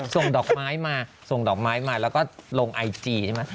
ส่งดอกไม้มาส่งดอกไม้มาแล้วก็ลงไอจีใช่ไหม